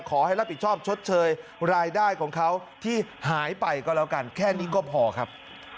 ขอให้รับผิดชอบชดเชยรายได้ของเขาที่หายไปก็แล้วกันแค่นี้ก็พอครับ